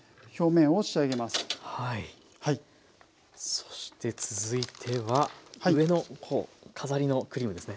そして続いては上のほう飾りのクリームですね。